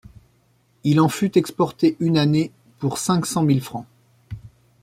Il en fut exporté une année pour cinq cent mille francs.